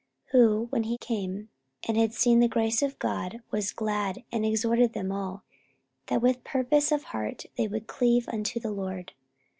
44:011:023 Who, when he came, and had seen the grace of God, was glad, and exhorted them all, that with purpose of heart they would cleave unto the Lord.